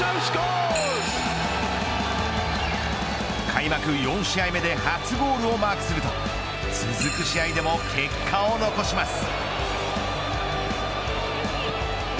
開幕４試合目で初ゴールをマークすると続く試合でも結果を残します。